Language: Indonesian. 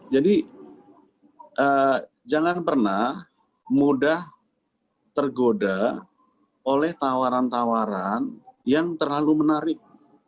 jadi jangan pernah mudah tergoda oleh tawaran tawaran yang terlalu menarik